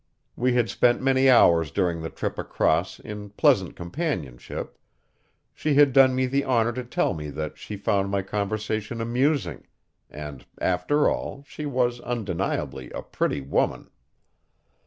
We had spent many hours during the trip across in pleasant companionship; she had done me the honor to tell me that she found my conversation amusing; and, after all, she was undeniably a pretty woman.